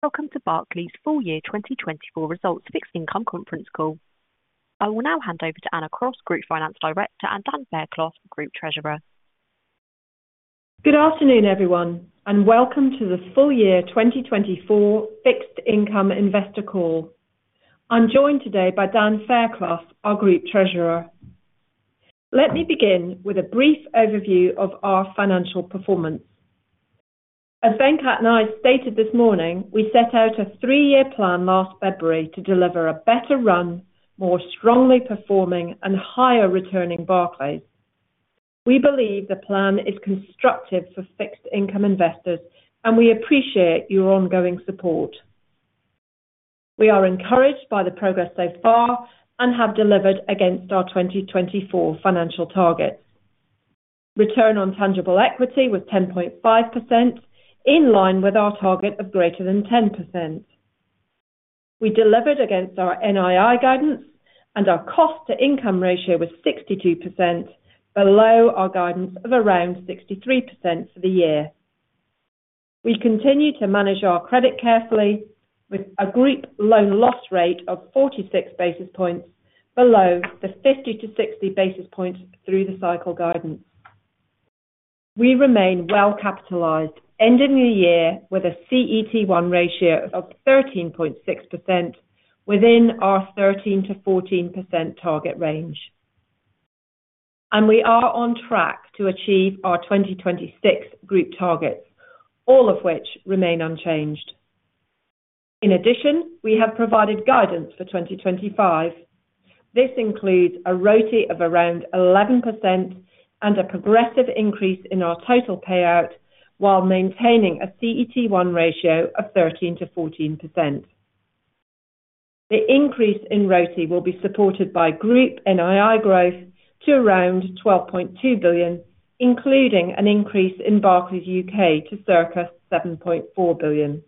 Welcome to Barclays' full year 2024 results fixed income conference call. I will now hand over to Anna Cross, Group Finance Director, and Daniel Fairclough, Group Treasurer. Good afternoon, everyone, and welcome to the full year 2024 fixed income investor call. I'm joined today by Daniel Fairclough, our Group Treasurer. Let me begin with a brief overview of our financial performance. As Venkat and I stated this morning, we set out a three-year plan last February to deliver a better run, more strongly performing, and higher returning Barclays. We believe the plan is constructive for fixed income investors, and we appreciate your ongoing support. We are encouraged by the progress so far and have delivered against our 2024 financial targets. Return on tangible equity was 10.5%, in line with our target of greater than 10%. We delivered against our NII guidance, and our cost-to-income ratio was 62%, below our guidance of around 63% for the year. We continue to manage our credit carefully, with a group loan loss rate of 46 basis points below the 50-60 basis points through the cycle guidance. We remain well capitalized, ending the year with a CET1 ratio of 13.6% within our 13%-14% target range. We are on track to achieve our 2026 group targets, all of which remain unchanged. In addition, we have provided guidance for 2025. This includes a RoTE of around 11% and a progressive increase in our total payout while maintaining a CET1 ratio of 13%-14%. The increase in RoTE will be supported by group NII growth to around 12.2 billion, including an increase in Barclays UK to circa 7.4 billion.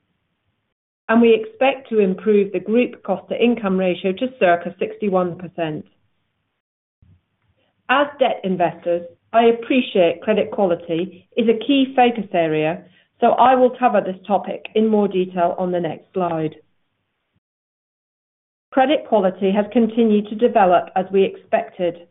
We expect to improve the group cost-to-income ratio to circa 61%. As debt investors, I appreciate credit quality is a key focus area, so I will cover this topic in more detail on the next slide. Credit quality has continued to develop as we expected.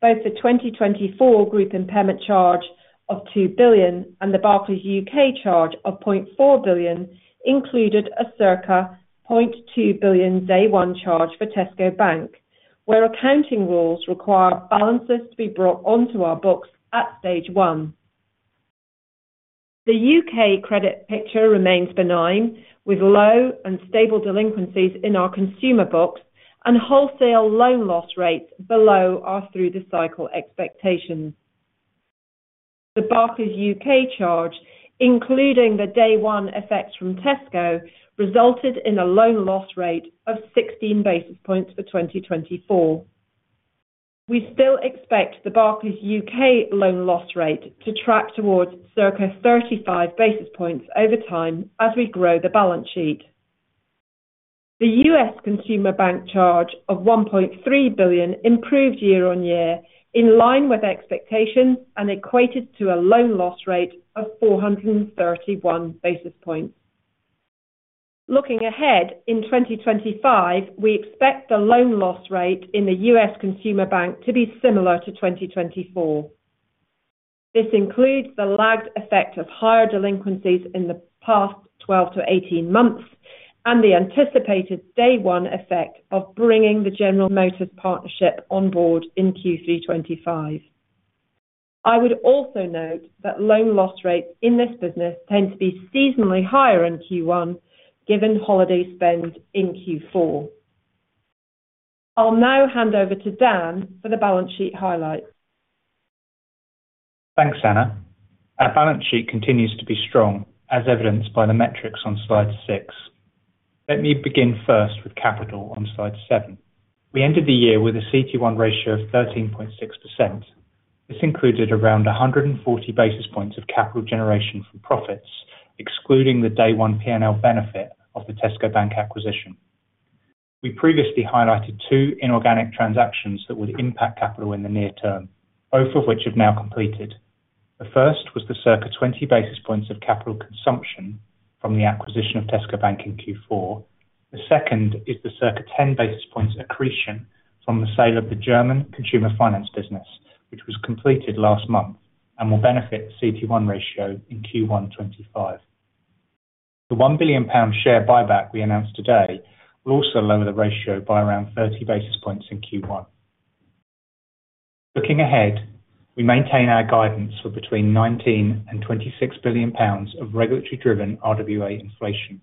Both the 2024 group impairment charge of 2 billion and the Barclays UK charge of 0.4 billion included a circa 0.2 billion day one charge for Tesco Bank, where accounting rules require balances to be brought onto our books at stage one. The UK credit picture remains benign, with low and stable delinquencies in our consumer books and wholesale loan loss rates below our through-the-cycle expectations. The Barclays UK charge, including the day one effects from Tesco, resulted in a loan loss rate of 16 basis points for 2024. We still expect the Barclays UK loan loss rate to track towards circa 35 basis points over time as we grow the balance sheet. The U.S. consumer bank charge of $1.3 billion improved year on year, in line with expectations and equated to a loan loss rate of 431 basis points. Looking ahead in 2025, we expect the loan loss rate in the U.S. consumer bank to be similar to 2024. This includes the lagged effect of higher delinquencies in the past 12-18 months and the anticipated day one effect of bringing the General Motors partnership on board in Q3 2025. I would also note that loan loss rates in this business tend to be seasonally higher in Q1, given holiday spend in Q4. I'll now hand over to Daniel for the balance sheet highlights. Thanks, Anna. Our balance sheet continues to be strong, as evidenced by the metrics on slide six. Let me begin first with capital on slide seven. We ended the year with a CET1 ratio of 13.6%. This included around 140 basis points of capital generation from profits, excluding the day one P&L benefit of the Tesco Bank acquisition. We previously highlighted two inorganic transactions that would impact capital in the near term, both of which have now completed. The first was the circa 20 basis points of capital consumption from the acquisition of Tesco Bank in Q4. The second is the circa 10 basis points accretion from the sale of the German consumer finance business, which was completed last month and will benefit the CET1 ratio in Q1 2025. The 1 billion pound share buyback we announced today will also lower the ratio by around 30 basis points in Q1. Looking ahead, we maintain our guidance for between 19 and 26 billion pounds of regulatory-driven RWA inflation.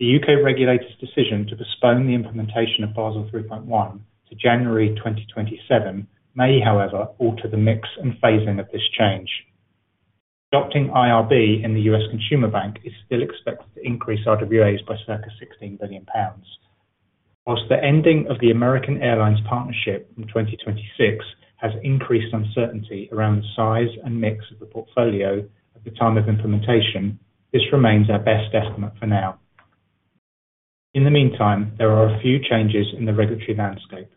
The U.K. regulator's decision to postpone the implementation of Basel 3.1 to January 2027 may, however, alter the mix and phasing of this change. Adopting IRB in the U.S. consumer bank is still expected to increase RWAs by circa 16 billion pounds. Whilst the ending of the American Airlines partnership in 2026 has increased uncertainty around the size and mix of the portfolio at the time of implementation, this remains our best estimate for now. In the meantime, there are a few changes in the regulatory landscape.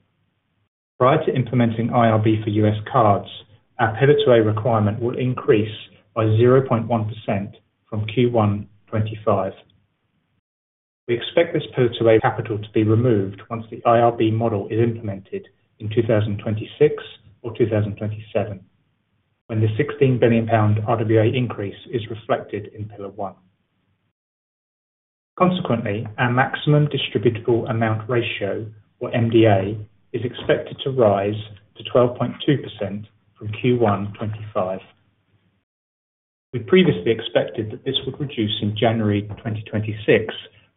Prior to implementing IRB for U.S. cards, our pivot to a requirement will increase by 0.1% from Q1 2025. We expect this pivot to a capital to be removed once the IRB model is implemented in 2026 or 2027, when the £16 billion RWA increase is reflected in Pillar 1. Consequently, our maximum distributable amount ratio, or MDA, is expected to rise to 12.2% from Q1 2025. We previously expected that this would reduce in January 2026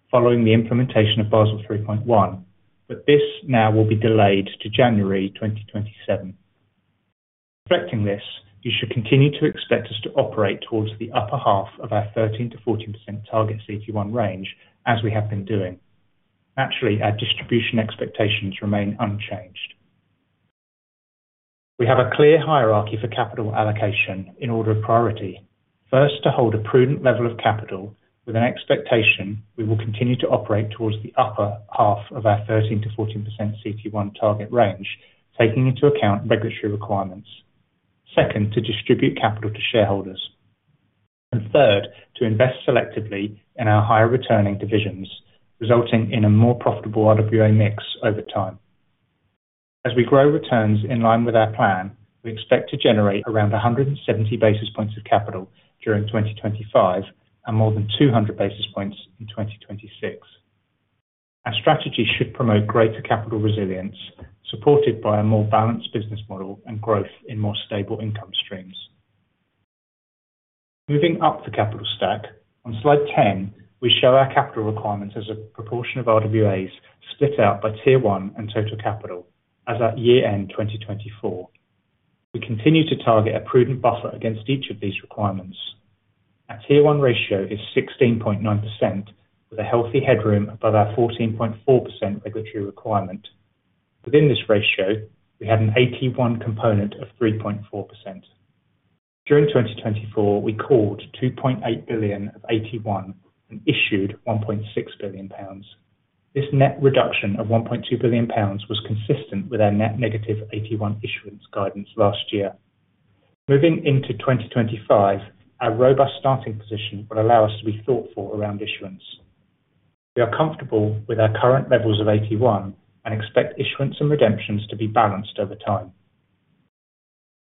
following the implementation of Basel 3.1, but this now will be delayed to January 2027. Reflecting this, you should continue to expect us to operate towards the upper half of our 13%-14% target CET1 range, as we have been doing. Naturally, our distribution expectations remain unchanged. We have a clear hierarchy for capital allocation in order of priority. First, to hold a prudent level of capital with an expectation we will continue to operate towards the upper half of our 13%-14% CET1 target range, taking into account regulatory requirements. Second, to distribute capital to shareholders. And third, to invest selectively in our higher returning divisions, resulting in a more profitable RWA mix over time. As we grow returns in line with our plan, we expect to generate around 170 basis points of capital during 2025 and more than 200 basis points in 2026. Our strategy should promote greater capital resilience, supported by a more balanced business model and growth in more stable income streams. Moving up the capital stack, on slide 10, we show our capital requirements as a proportion of RWAs split out by tier one and total capital, as at year-end 2024. We continue to target a prudent buffer against each of these requirements. Our Tier 1 ratio is 16.9%, with a healthy headroom above our 14.4% regulatory requirement. Within this ratio, we had an AT1 component of 3.4%. During 2024, we called 2.8 billion of AT1 and issued 1.6 billion pounds. This net reduction of 1.2 billion pounds was consistent with our net negative AT1 issuance guidance last year. Moving into 2025, our robust starting position will allow us to be thoughtful around issuance. We are comfortable with our current levels of AT1 and expect issuance and redemptions to be balanced over time.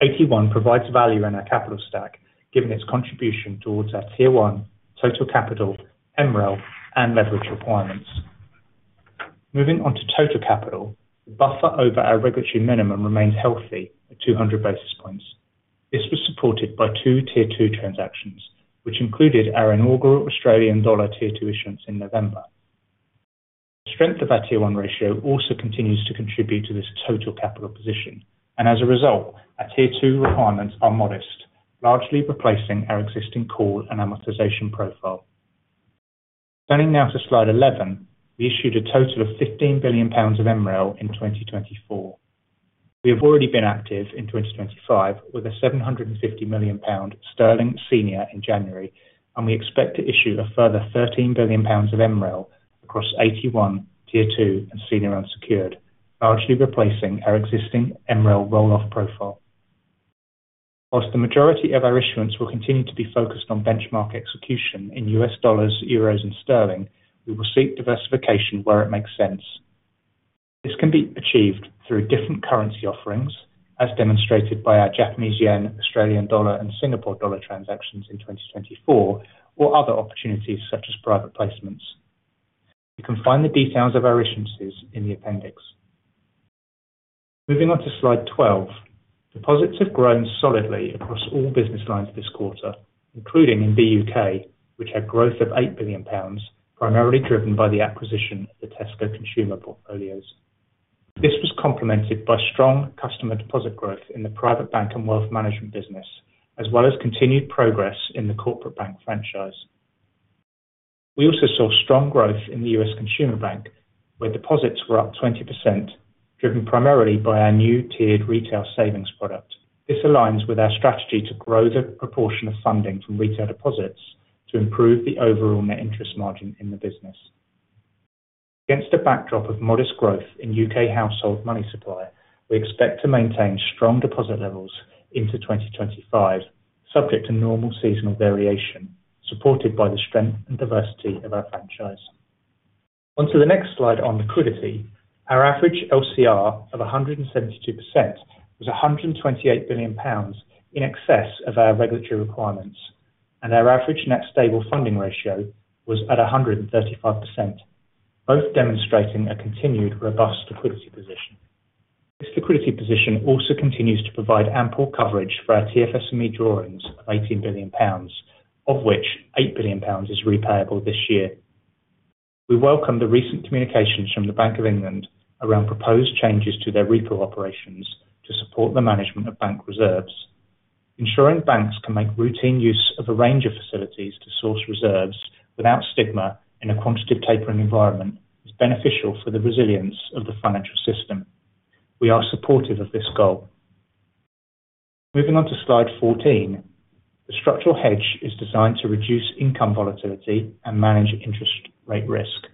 AT1 provides value in our capital stack, given its contribution towards our Tier 1, total capital, MREL, and leverage requirements. Moving on to total capital, the buffer over our regulatory minimum remains healthy at 200 basis points. This was supported by two Tier 2 transactions, which included our inaugural Australian dollar Tier 2 issuance in November. The strength of our Tier 1 ratio also continues to contribute to this total capital position, and as a result, our Tier 2 requirements are modest, largely replacing our existing call and amortization profile. Turning now to slide 11, we issued a total of 15 billion pounds of MREL in 2024. We have already been active in 2025 with a 750 million sterling GBP senior in January, and we expect to issue a further 13 billion pounds of MREL across AT1, Tier 2, and senior unsecured, largely replacing our existing MREL rolloff profile. While the majority of our issuance will continue to be focused on benchmark execution in USD, EUR, and GBP, we will seek diversification where it makes sense. This can be achieved through different currency offerings, as demonstrated by our JPY, AUD, and SGD transactions in 2024, or other opportunities such as private placements. You can find the details of our issuances in the appendix. Moving on to slide 12, deposits have grown solidly across all business lines this quarter, including in the U.K., which had growth of £8 billion, primarily driven by the acquisition of the Tesco consumer portfolios. This was complemented by strong customer deposit growth in the private bank and wealth management business, as well as continued progress in the corporate bank franchise. We also saw strong growth in the U.S. consumer bank, where deposits were up 20%, driven primarily by our new tiered retail savings product. This aligns with our strategy to grow the proportion of funding from retail deposits to improve the overall net interest margin in the business. Against a backdrop of modest growth in UK household money supply, we expect to maintain strong deposit levels into 2025, subject to normal seasonal variation, supported by the strength and diversity of our franchise. Onto the next slide on liquidity, our average LCR of 172% was £128 billion in excess of our regulatory requirements, and our average net stable funding ratio was at 135%, both demonstrating a continued robust liquidity position. This liquidity position also continues to provide ample coverage for our TFSME drawings of £18 billion, of which £8 billion is repayable this year. We welcome the recent communications from the Bank of England around proposed changes to their repo operations to support the management of bank reserves. Ensuring banks can make routine use of a range of facilities to source reserves without stigma in a quantitative tapering environment is beneficial for the resilience of the financial system. We are supportive of this goal. Moving on to slide 14, the structural hedge is designed to reduce income volatility and manage interest rate risk.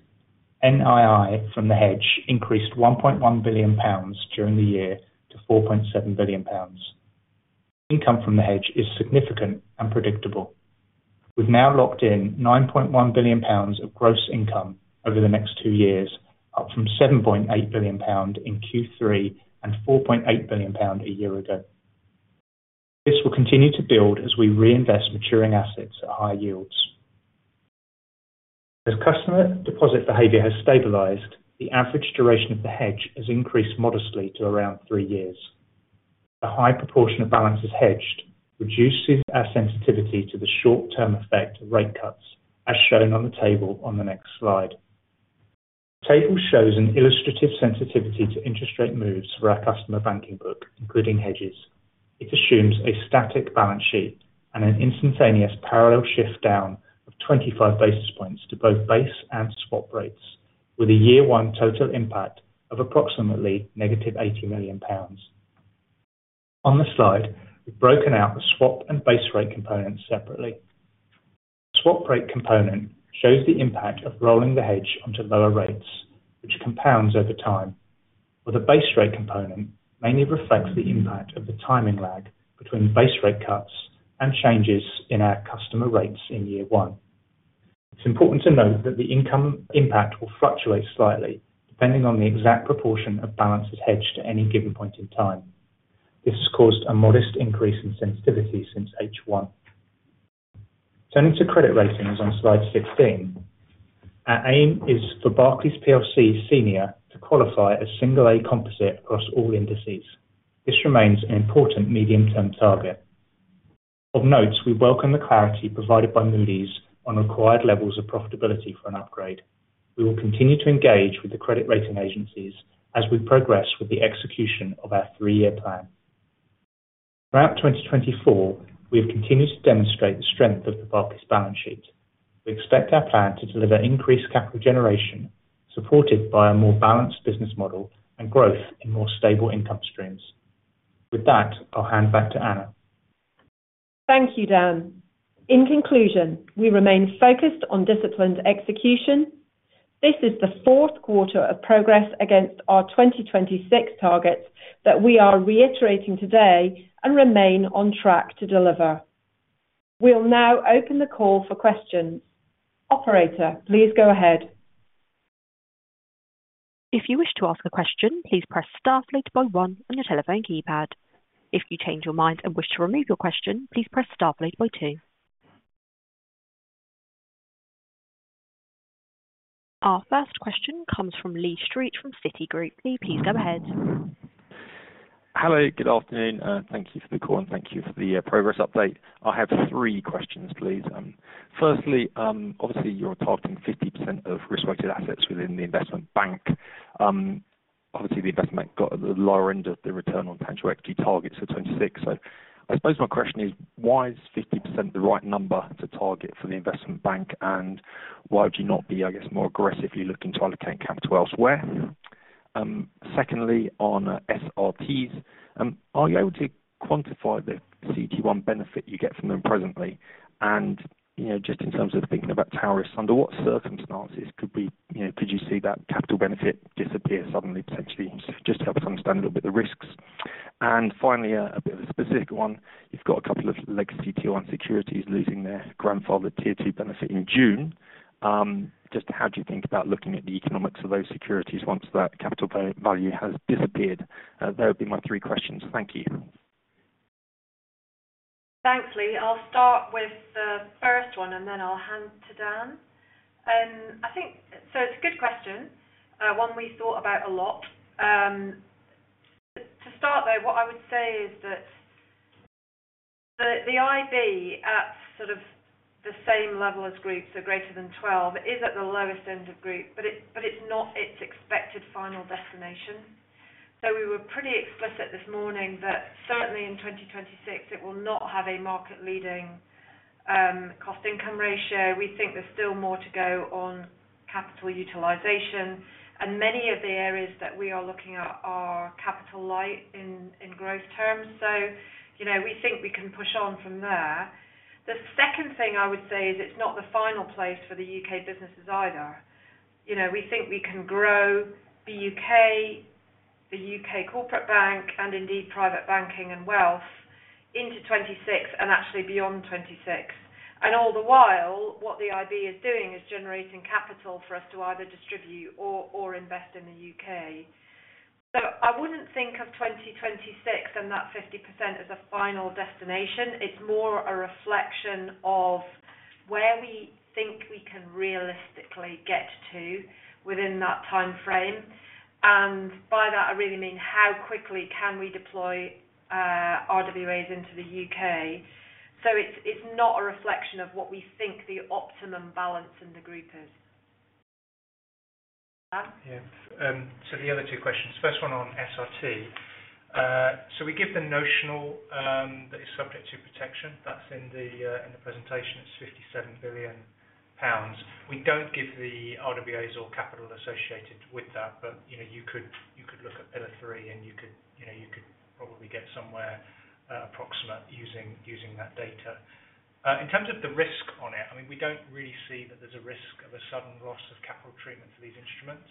NII from the hedge increased £1.1 billion during the year to £4.7 billion. Income from the hedge is significant and predictable. We've now locked in £9.1 billion of gross income over the next two years, up from £7.8 billion in Q3 and £4.8 billion a year ago. This will continue to build as we reinvest maturing assets at higher yields. As customer deposit behaviour has stabilised, the average duration of the hedge has increased modestly to around three years. The high proportion of balances hedged reduces our sensitivity to the short-term effect of rate cuts, as shown on the table on the next slide. The table shows an illustrative sensitivity to interest rate moves for our customer banking book, including hedges. It assumes a static balance sheet and an instantaneous parallel shift down of 25 basis points to both base and swap rates, with a year-one total impact of approximately £80 million. On the slide, we've broken out the swap and base rate components separately. The swap rate component shows the impact of rolling the hedge onto lower rates, which compounds over time, while the base rate component mainly reflects the impact of the timing lag between base rate cuts and changes in our customer rates in year one. It's important to note that the income impact will fluctuate slightly depending on the exact proportion of balances hedged at any given point in time. This has caused a modest increase in sensitivity since H1. Turning to credit ratings on slide 15, our aim is for Barclays PLC Senior to qualify as single-A composite across all indices. This remains an important medium-term target. Of note, we welcome the clarity provided by Moody's on required levels of profitability for an upgrade. We will continue to engage with the credit rating agencies as we progress with the execution of our three-year plan. Throughout 2024, we have continued to demonstrate the strength of the Barclays balance sheet. We expect our plan to deliver increased capital generation, supported by a more balanced business model and growth in more stable income streams. With that, I'll hand back to Anna. Thank you, Daniel. In conclusion, we remain focused on disciplined execution. This is the fourth quarter of progress against our 2026 targets that we are reiterating today and remain on track to deliver. We'll now open the call for questions. Operator, please go ahead. If you wish to ask a question, please press star one on your telephone keypad. If you change your mind and wish to remove your question, please press star two. Our first question comes from Lee Street from Citigroup. Lee, please go ahead. Hello, good afternoon, and thank you for the call, and thank you for the progress update. I have three questions, please. Firstly, obviously, you're targeting 50% of risk-weighted assets within the investment bank. Obviously, the investment bank got at the lower end of the return on tangible equity targets for 2026. So I suppose my question is, why is 50% the right number to target for the investment bank, and why would you not be, I guess, more aggressively looking to allocate capital elsewhere? Secondly, on SRTs, are you able to quantify the CET1 benefit you get from them presently? And just in terms of thinking about SRTs, under what circumstances could you see that capital benefit disappear suddenly, potentially? Just to help us understand a little bit the risks. And finally, a bit of a specific one. You've got a couple of legacy Tier 1 securities losing their grandfathered Tier 2 benefit in June. Just how do you think about looking at the economics of those securities once that capital value has disappeared? They would be my three questions. Thank you. Thanks, Lee. I'll start with the first one, and then I'll hand to Daniel. So it's a good question, one we thought about a lot. To start, though, what I would say is that the IB at sort of the same level as group, so greater than 12, is at the lowest end of group, but it's not its expected final destination. So we were pretty explicit this morning that certainly in 2026, it will not have a market-leading cost-income ratio. We think there's still more to go on capital utilization, and many of the areas that we are looking at are capital light in growth terms. So we think we can push on from there. The second thing I would say is it's not the final place for the U.K. businesses either. We think we can grow the UK, the UK corporate bank, and indeed private banking and wealth into 2026 and actually beyond 2026. And all the while, what the IB is doing is generating capital for us to either distribute or invest in the UK. So I wouldn't think of 2026 and that 50% as a final destination. It's more a reflection of where we think we can realistically get to within that time frame. And by that, I really mean how quickly can we deploy RWAs into the UK. So it's not a reflection of what we think the optimum balance in the group is. Yeah. So the other two questions, first one on SRT. So we give the notional that is subject to protection. That's in the presentation. It's 57 billion pounds. We don't give the RWAs or capital associated with that, but you could look at Pillar 3, and you could probably get somewhere approximate using that data. In terms of the risk on it, I mean, we don't really see that there's a risk of a sudden loss of capital treatment for these instruments.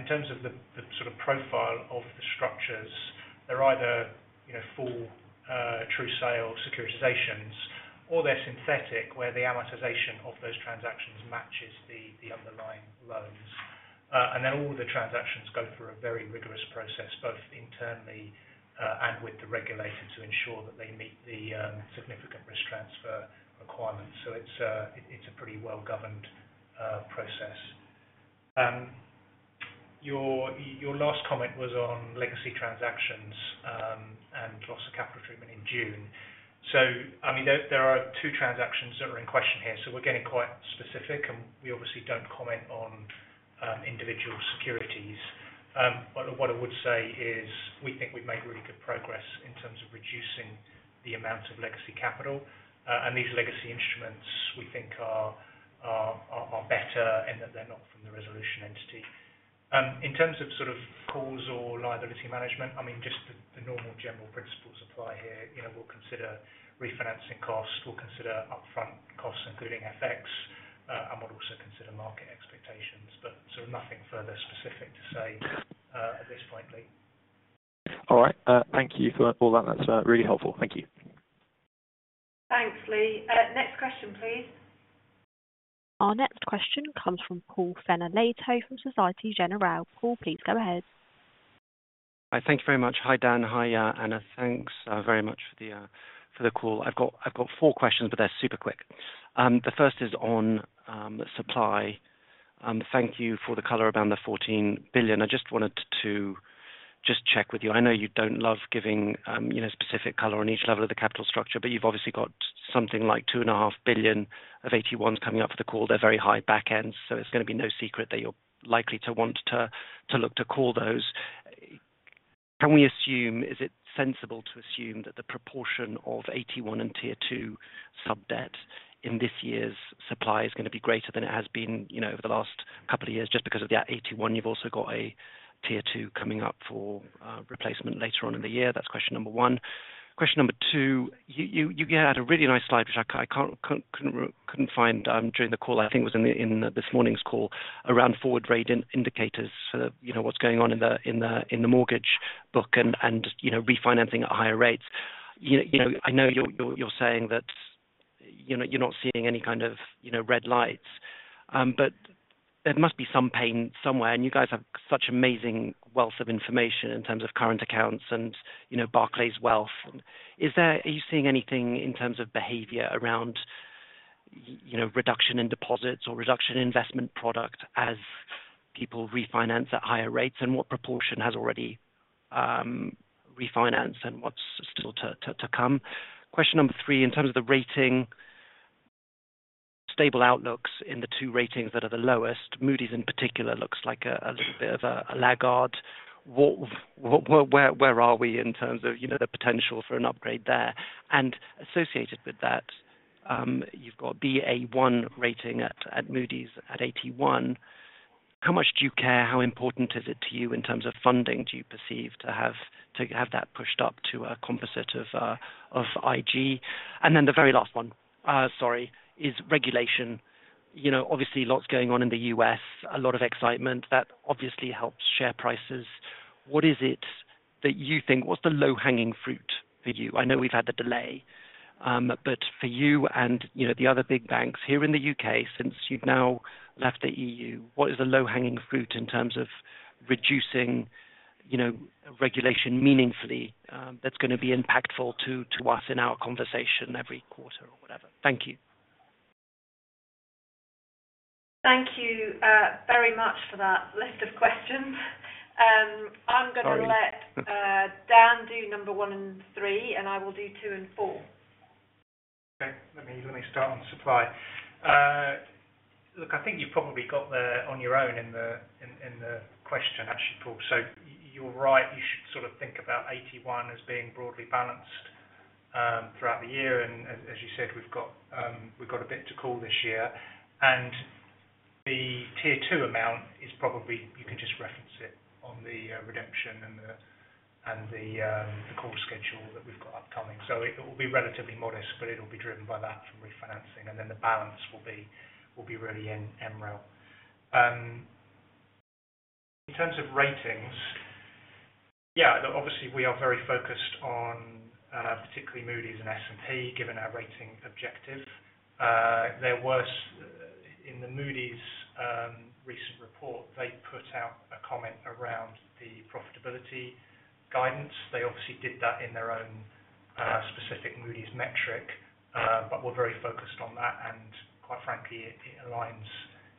In terms of the sort of profile of the structures, they're either full true sale securitizations, or they're synthetic where the amortization of those transactions matches the underlying loans. And then all the transactions go through a very rigorous process, both internally and with the regulator, to ensure that they meet the Significant Risk Transfer requirements. So it's a pretty well-governed process. Your last comment was on legacy transactions and loss of capital treatment in June. So I mean, there are two transactions that are in question here. So we're getting quite specific, and we obviously don't comment on individual securities. But what I would say is we think we've made really good progress in terms of reducing the amount of legacy capital. And these legacy instruments, we think, are better in that they're not from the resolution entity. In terms of sort of capital or liability management, I mean, just the normal general principles apply here. We'll consider refinancing costs. We'll consider upfront costs, including FX. I might also consider market expectations, but sort of nothing further specific to say at this point, Lee. All right. Thank you for all that. That's really helpful. Thank you. Thanks, Lee. Next question, please. Our next question comes from Paul Fenner-Leitão from Société Générale. Paul, please go ahead. Hi. Thank you very much. Hi, Daniel. Hi, Anna. Thanks very much for the call. I've got four questions, but they're super quick. The first is on supply. Thank you for the color around the 14 billion. I just wanted to just check with you. I know you don't love giving specific color on each level of the capital structure, but you've obviously got something like 2.5 billion of 81s coming up for the call. They're very high back ends, so it's going to be no secret that you're likely to want to look to call those. Can we assume, is it sensible to assume that the proportion of 81 and tier two subdebt in this year's supply is going to be greater than it has been over the last couple of years just because of that 81? You've also got a Tier 2 coming up for replacement later on in the year. That's question number one. Question number two, you had a really nice slide, which I couldn't find during the call. I think it was in this morning's call around forward rate indicators, what's going on in the mortgage book and refinancing at higher rates. I know you're saying that you're not seeing any kind of red lights, but there must be some pain somewhere, and you guys have such amazing wealth of information in terms of current accounts and Barclays Wealth. Are you seeing anything in terms of behavior around reduction in deposits or reduction in investment product as people refinance at higher rates? And what proportion has already refinanced, and what's still to come? Question number three, in terms of the rating, stable outlooks in the two ratings that are the lowest, Moody's in particular looks like a little bit of a laggard. Where are we in terms of the potential for an upgrade there? And associated with that, you've got Ba1 rating at Moody's at 81. How much do you care? How important is it to you in terms of funding? Do you perceive to have that pushed up to a composite of IG? And then the very last one, sorry, is regulation. Obviously, lots going on in the U.S., a lot of excitement. That obviously helps share prices. What is it that you think? What's the low-hanging fruit for you? I know we've had the delay, but for you and the other big banks here in the U.K., since you've now left the E.U., what is the low-hanging fruit in terms of reducing regulation meaningfully that's going to be impactful to us in our conversation every quarter or whatever? Thank you. Thank you very much for that list of questions. I'm going to let Daniel do number one and three, and I will do two and four. Okay. Let me start on supply. Look, I think you've probably got there on your own in the question, actually, Paul. So you're right. You should sort of think about 81 as being broadly balanced throughout the year. And as you said, we've got a bit to call this year. And the Tier 2 amount is probably—you can just reference it on the redemption and the call schedule that we've got upcoming. So it will be relatively modest, but it'll be driven by that for refinancing. And then the balance will be really in MREL. In terms of ratings, yeah, obviously, we are very focused on particularly Moody's and S&P, given our rating objective. In the Moody's recent report, they put out a comment around the profitability guidance. They obviously did that in their own specific Moody's metric, but we're very focused on that. Quite frankly, it aligns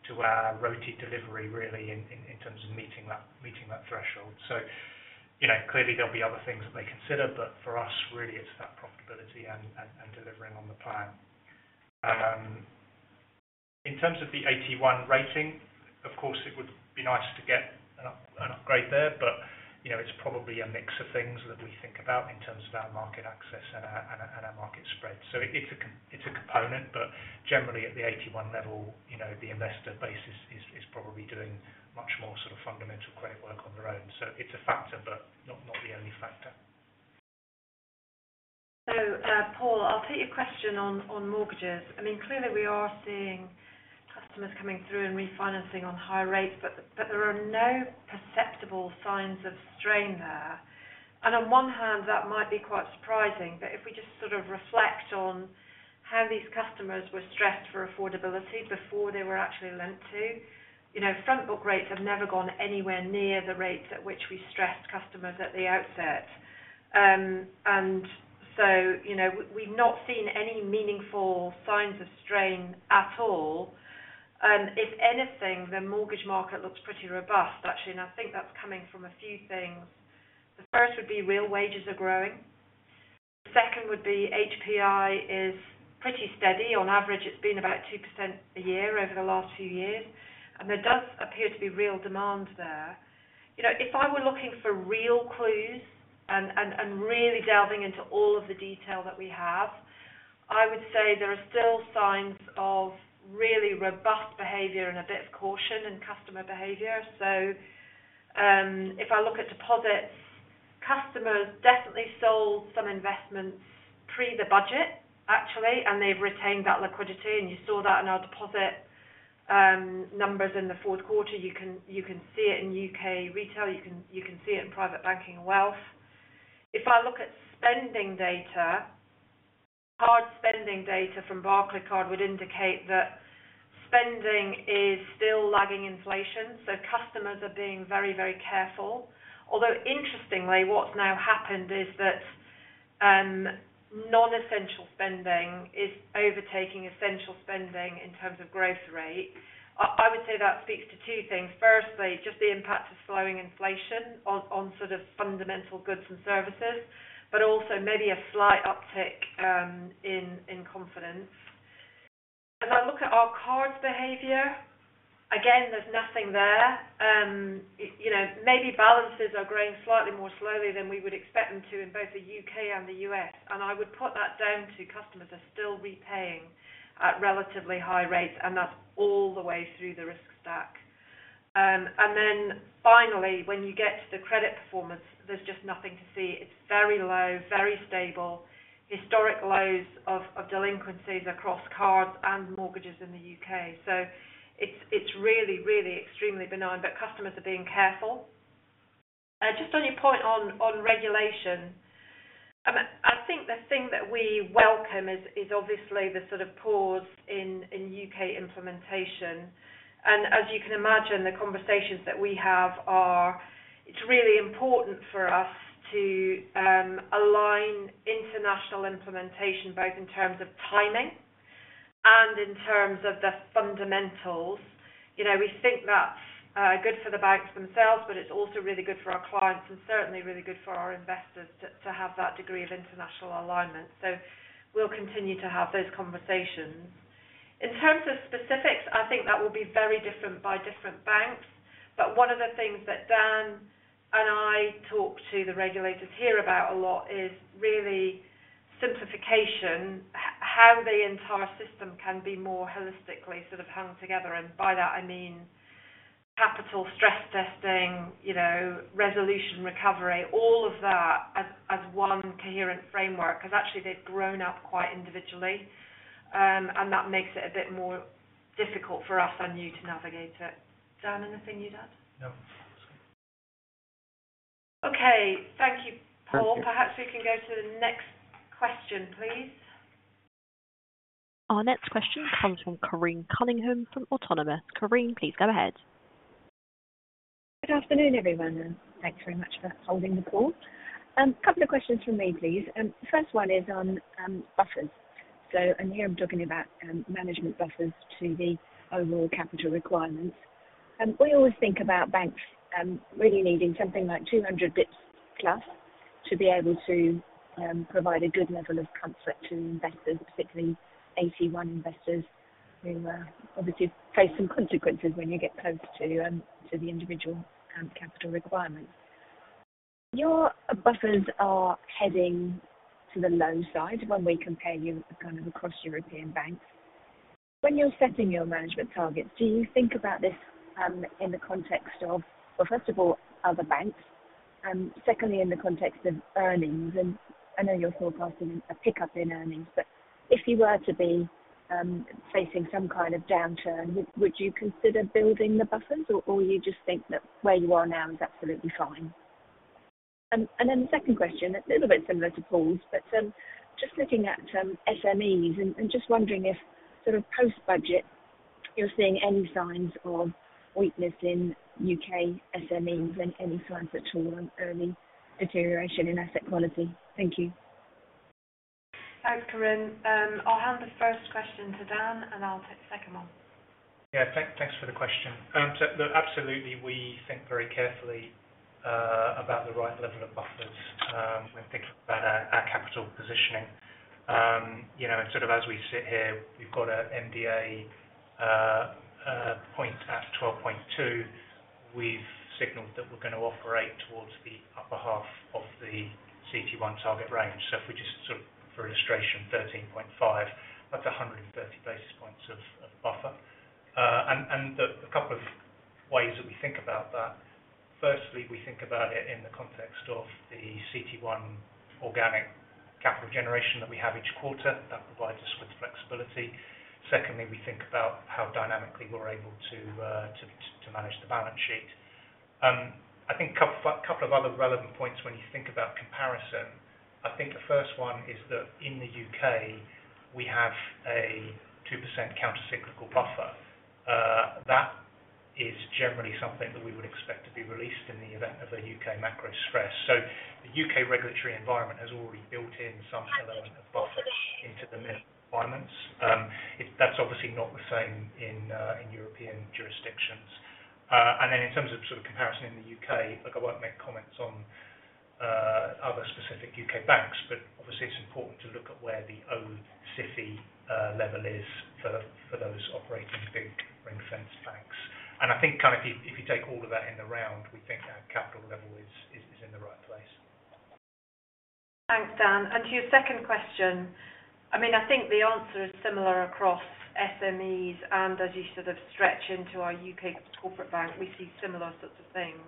to our RoTE delivery, really, in terms of meeting that threshold. Clearly, there'll be other things that they consider, but for us, really, it's that profitability and delivering on the plan. In terms of the AT1 rating, of course, it would be nice to get an upgrade there, but it's probably a mix of things that we think about in terms of our market access and our market spread. It's a component, but generally, at the AT1 level, the investor base is probably doing much more sort of fundamental credit work on their own. It's a factor, but not the only factor. So Paul, I'll take your question on mortgages. I mean, clearly, we are seeing customers coming through and refinancing on higher rates, but there are no perceptible signs of strain there. And on one hand, that might be quite surprising, but if we just sort of reflect on how these customers were stressed for affordability before they were actually lent to, front book rates have never gone anywhere near the rates at which we stressed customers at the outset. And so we've not seen any meaningful signs of strain at all. If anything, the mortgage market looks pretty robust, actually, and I think that's coming from a few things. The first would be real wages are growing. The second would be HPI is pretty steady. On average, it's been about 2% a year over the last few years. And there does appear to be real demand there. If I were looking for real clues and really delving into all of the detail that we have, I would say there are still signs of really robust behavior and a bit of caution in customer behavior. So if I look at deposits, customers definitely sold some investments pre the budget, actually, and they've retained that liquidity. And you saw that in our deposit numbers in the fourth quarter. You can see it in U.K. retail. You can see it in private banking and wealth. If I look at spending data, hard spending data from Barclaycard would indicate that spending is still lagging inflation. So customers are being very, very careful. Although interestingly, what's now happened is that non-essential spending is overtaking essential spending in terms of growth rate. I would say that speaks to two things. Firstly, just the impact of slowing inflation on sort of fundamental goods and services, but also maybe a slight uptick in confidence. As I look at our cards behavior, again, there's nothing there. Maybe balances are growing slightly more slowly than we would expect them to in both the U.K. and the U.S. And I would put that down to customers are still repaying at relatively high rates, and that's all the way through the risk stack. And then finally, when you get to the credit performance, there's just nothing to see. It's very low, very stable, historic lows of delinquencies across cards and mortgages in the U.K. So it's really, really extremely benign, but customers are being careful. Just on your point on regulation, I think the thing that we welcome is obviously the sort of pause in U.K. implementation. As you can imagine, the conversations that we have are, it's really important for us to align international implementation both in terms of timing and in terms of the fundamentals. We think that's good for the banks themselves, but it's also really good for our clients and certainly really good for our investors to have that degree of international alignment, so we'll continue to have those conversations. In terms of specifics, I think that will be very different by different banks, but one of the things that Daniel and I talk to the regulators here about a lot is really simplification, how the entire system can be more holistically sort of hung together. By that, I mean capital stress testing, resolution recovery, all of that as one coherent framework because actually, they've grown up quite individually. And that makes it a bit more difficult for us and you to navigate it. Daniel, anything you'd add? No. That's good. Okay. Thank you, Paul. Perhaps we can go to the next question, please. Our next question comes from Corinne Cunningham from Autonomous. Corinne, please go ahead. Good afternoon, everyone. Thanks very much for holding the call. A couple of questions from me, please. The first one is on buffers. So here I'm talking about management buffers to the overall capital requirements. We always think about banks really needing something like 200 basis points plus to be able to provide a good level of comfort to investors, particularly AT1 investors who obviously face some consequences when you get close to the individual capital requirements. Your buffers are heading to the low side when we compare you kind of across European banks. When you're setting your management targets, do you think about this in the context of, well, first of all, other banks? Secondly, in the context of earnings? I know you're forecasting a pickup in earnings, but if you were to be facing some kind of downturn, would you consider building the buffers, or do you just think that where you are now is absolutely fine? Then the second question, a little bit similar to Paul's, but just looking at SMEs and just wondering if sort of post-budget, you're seeing any signs of weakness in U.K. SMEs and any signs at all of early deterioration in asset quality? Thank you. Thanks, Corinne. I'll hand the first question to Daniel, and I'll take the second one. Yeah. Thanks for the question. Absolutely. We think very carefully about the right level of buffers when thinking about our capital positioning. And sort of as we sit here, we've got an MDA point at 12.2%. We've signalled that we're going to operate towards the upper half of the CET1 target range. So if we just sort of, for illustration, 13.5%, that's 130 basis points of buffer. And a couple of ways that we think about that. Firstly, we think about it in the context of the CET1 organic capital generation that we have each quarter. That provides us with flexibility. Secondly, we think about how dynamically we're able to manage the balance sheet. I think a couple of other relevant points when you think about comparison. I think the first one is that in the UK, we have a 2% countercyclical buffer. That is generally something that we would expect to be released in the event of a U.K. macro stress. So the U.K. regulatory environment has already built in some element of buffer into the minimum requirements. That's obviously not the same in European jurisdictions. And then in terms of sort of comparison in the U.K., I won't make comments on other specific U.K. banks, but obviously, it's important to look at where the old SIFI level is for those operating big ring-fenced banks. And I think kind of if you take all of that in the round, we think our capital level is in the right place. Thanks, Daniel. And to your second question, I mean, I think the answer is similar across SMEs. And as you sort of stretch into our UK corporate bank, we see similar sorts of things.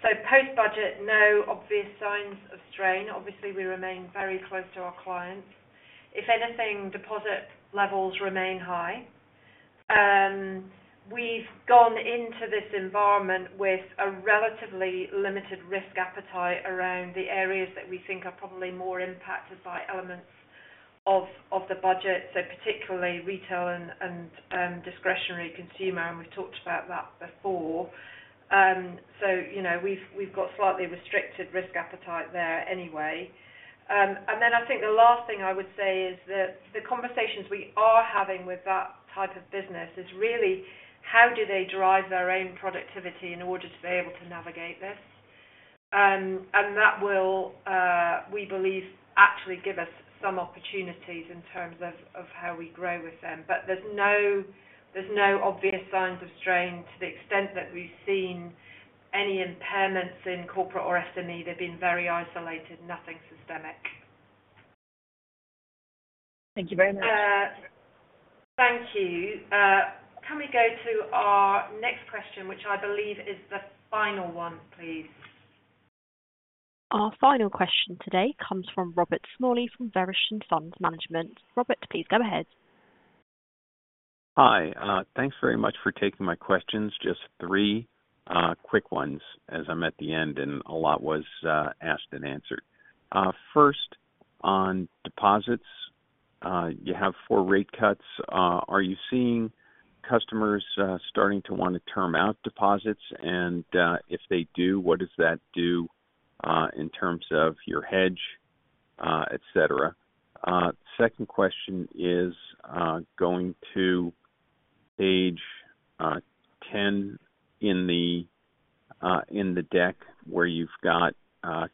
So post-budget, no obvious signs of strain. Obviously, we remain very close to our clients. If anything, deposit levels remain high. We've gone into this environment with a relatively limited risk appetite around the areas that we think are probably more impacted by elements of the budget, so particularly retail and discretionary consumer. And we've talked about that before. So we've got slightly restricted risk appetite there anyway. And then I think the last thing I would say is that the conversations we are having with that type of business is really how do they drive their own productivity in order to be able to navigate this? That will, we believe, actually give us some opportunities in terms of how we grow with them. There's no obvious signs of strain to the extent that we've seen any impairments in corporate or SME. They've been very isolated, nothing systemic. Thank you very much. Thank you. Can we go to our next question, which I believe is the final one, please? Our final question today comes from Robert Smalley from Verition Fund Management. Robert, please go ahead. Hi. Thanks very much for taking my questions. Just three quick ones as I'm at the end, and a lot was asked and answered. First, on deposits, you have four rate cuts. Are you seeing customers starting to want to term out deposits? And if they do, what does that do in terms of your hedge, etc.? Second question is going to page 10 in the deck where you've got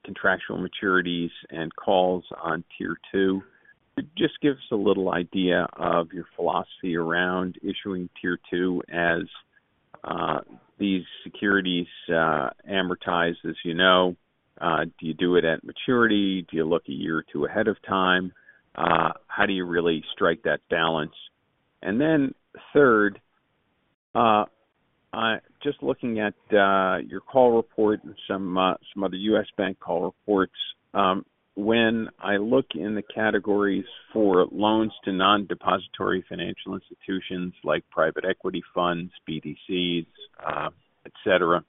contractual maturities and calls on Tier 2. Just give us a little idea of your philosophy around issuing Tier 2 as these securities amortize, as you know. Do you do it at maturity? Do you look a year or two ahead of time? How do you really strike that balance? And then third, just looking at your call report and some other U.S. bank call reports, when I look in the categories for loans to non-depository financial institutions like private equity funds, BDCs, etc.,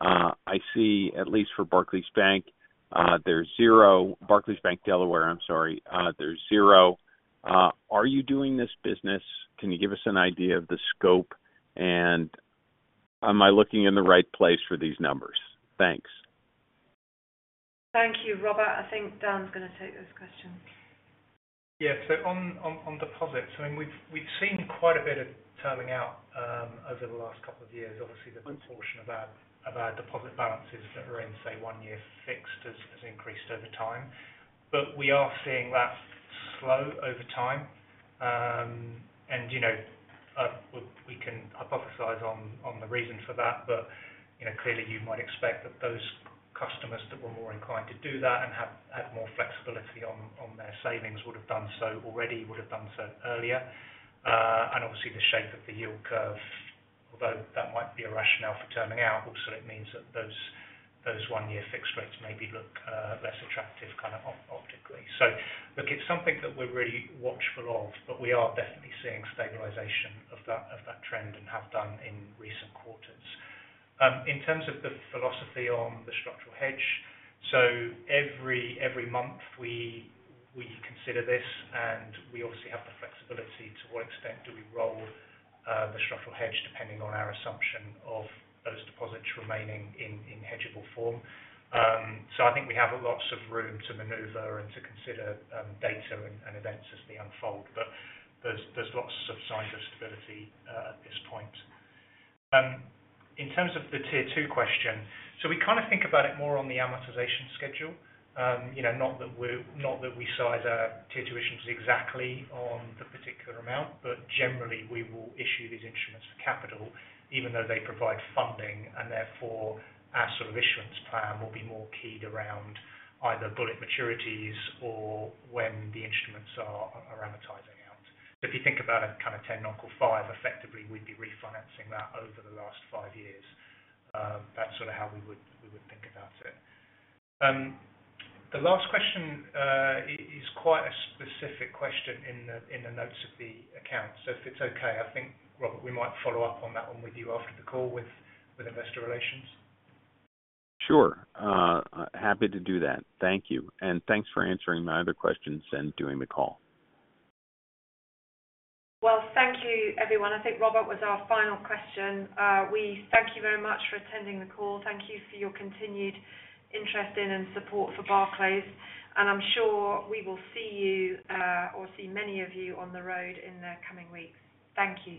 I see, at least for Barclays Bank, there's zero. Barclays Bank Delaware, I'm sorry. There's zero. Are you doing this business? Can you give us an idea of the scope? And am I looking in the right place for these numbers? Thanks. Thank you, Robert. I think Daniel's going to take those questions. Yeah. So on deposits, I mean, we've seen quite a bit of tailing out over the last couple of years. Obviously, the proportion of our deposit balances that are in, say, one-year fixed has increased over time. But we are seeing that slow over time. And we can hypothesize on the reason for that, but clearly, you might expect that those customers that were more inclined to do that and had more flexibility on their savings would have done so already, would have done so earlier. And obviously, the shape of the yield curve, although that might be a rationale for turning out, also it means that those one-year fixed rates maybe look less attractive kind of optically. So look, it's something that we're really watchful of, but we are definitely seeing stabilization of that trend and have done in recent quarters. In terms of the philosophy on the structural hedge, so every month we consider this, and we obviously have the flexibility to what extent do we roll the structural hedge depending on our assumption of those deposits remaining in hedgeable form. So I think we have lots of room to maneuver and to consider data and events as they unfold. But there's lots of signs of stability at this point. In terms of the Tier 2 question, so we kind of think about it more on the amortization schedule. Not that we size our Tier 2 issues exactly on the particular amount, but generally, we will issue these instruments for capital, even though they provide funding. And therefore, our sort of issuance plan will be more keyed around either bullet maturities or when the instruments are amortizing out. So if you think about a kind of 10 non-call 5, effectively, we'd be refinancing that over the last five years. That's sort of how we would think about it. The last question is quite a specific question in the notes of the account. So if it's okay, I think, Robert, we might follow up on that one with you after the call with investor relations. Sure. Happy to do that. Thank you. And thanks for answering my other questions and doing the call. Thank you, everyone. I think Robert was our final question. We thank you very much for attending the call. Thank you for your continued interest in and support for Barclays. I'm sure we will see you or see many of you on the road in the coming weeks. Thank you.